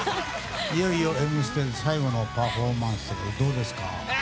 いよいよ「Ｍステ」最後のパフォーマンスどうですか？